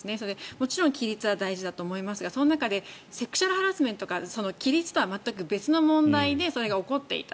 もちろん規律は大事だと思いますがその中でセクシュアルハラスメントが規律とは全く別の問題でそれが起こっていた。